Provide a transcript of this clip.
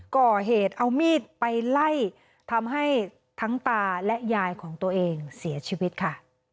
ก่อเหตุเอามีดไปไล่ทำให้ทั้งตาและยายของตัวเองเสียชีวิตค่ะ